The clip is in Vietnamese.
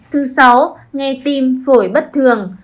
thứ sáu nghe tim phổi bất thường